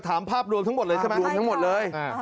ภาพรวมทั้งหมดเลยใช่ไหมรวมทั้งหมดเลย